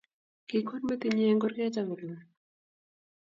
Kikwer metinyi eng kurget akolul